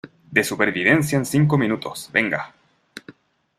de supervivencia en cinco minutos. venga .